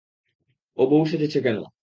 ও বউ সেজেছে কেন?